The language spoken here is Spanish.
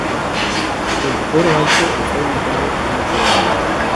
El coro alto, está ubicado en una sola nave.